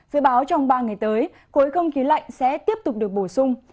dự báo trong ba ngày tới khối không khí lạnh sẽ tiếp tục được bổ sung